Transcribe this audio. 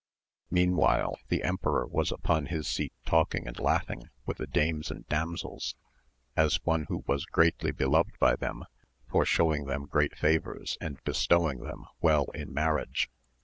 Meantime the emperor was upon his seat talking and laughing with the dames and damsels, as one who was greatly beloved by them for showing them great favours and bestowing them well in marriage.